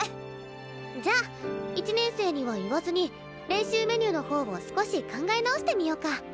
じゃあ１年生には言わずに練習メニューの方を少し考え直してみようか。